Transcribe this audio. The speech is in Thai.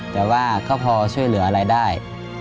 แต่ว่าก็พอช่วยเหลืออะไรได้